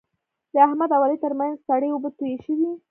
د احمد او علي ترمنځ سړې اوبه تویې شوې.